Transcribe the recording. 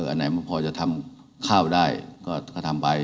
อันไหนมันพอจะทำข้าวได้ก็ทำไป